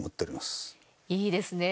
いいですね。